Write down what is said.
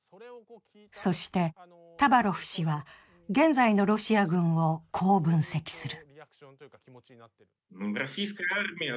そしてタバロフ氏は現在のロシア軍をこう分析する。